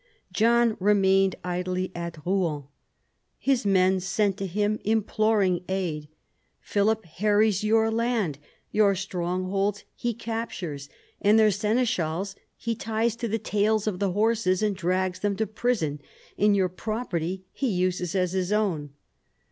John remained idly at Eouen. His men sent to him imploring aid. "Philip harries your land, your strongholds he captures, and their sene schals he ties to the tails of the horses and drags them to prison, and your property he uses as his own."